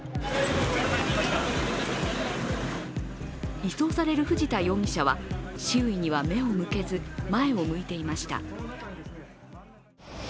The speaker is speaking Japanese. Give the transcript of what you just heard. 移送される藤田容疑者は周囲には目を向けず、前を向いていました。